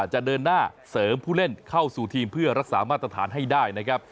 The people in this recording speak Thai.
จะเดินหน้าเสริมผู้เล่นเข้าสู่ทีมเพื่อรักษามาตรฐานให้ได้นะครับ